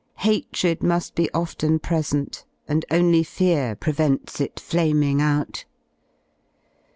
Hatred mu^ be often present, and only _) J fear prevents it flaming out.